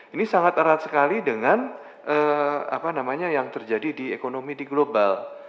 ini sangat erat sekali dengan apa namanya yang terjadi di ekonomi di global